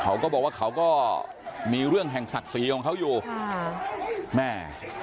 เขาก็บอกว่าเขาก็มีเรื่องแห่งศักดิ์ศรีของเขาอยู่ค่ะแม่